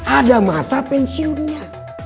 ada masa pensiunnya